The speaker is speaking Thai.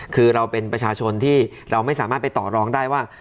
คือเราเป็นประชาชนที่เราไม่สามารถไปต่อรองได้ว่า